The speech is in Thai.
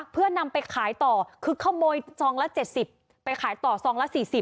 เพื่อนำไปขายต่อคือขโมยซองละ๗๐ไปขายต่อซองละ๔๐